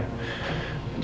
nggak repot semua sekali